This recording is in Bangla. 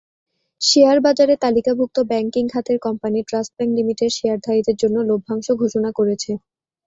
শেয়ারবাজারে তালিকাভুক্ত ব্যাংকিং খাতের কোম্পানি ট্রাস্ট ব্যাংক লিমিটেড শেয়ারধারীদের জন্য লভ্যাংশ ঘোষণা করেছে।